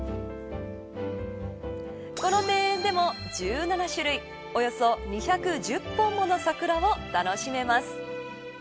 この庭園でも、１７種類およそ２１０本もの桜を楽しめます。